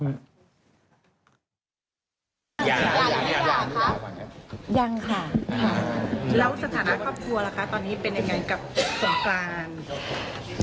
แล้วสถานท่าครอบครัวล่ะคะตอนนี้เป็นยังไงกับสงกราน